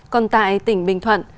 còn tại tỉnh bình thuận